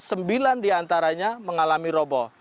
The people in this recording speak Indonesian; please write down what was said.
sembilan diantaranya mengalami roboh